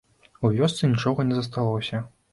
У вёсцы нічога не засталося.